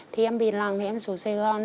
thì em bị lặng em xuống sài gòn